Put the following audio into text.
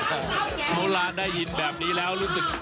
เขาร้านได้ยินแบบนี้แล้วรู้สึก